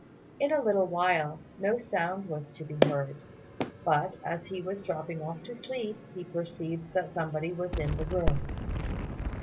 In a little while no sound was to be heard; but, as he was dropping off to sleep, he perceived that somebody was in the room.